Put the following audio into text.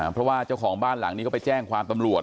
เพราะว่าเจ้าของบ้านหลังนี้เขาไปแจ้งความตำรวจ